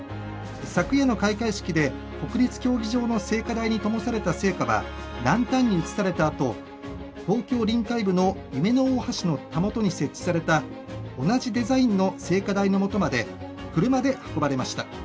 昨夜の開会式で国立競技場の聖火台にともされた聖火はランタンに移されたあと東京臨海部の夢の大橋のたもとに設置された同じデザインの聖火台のもとまで車で運ばれました。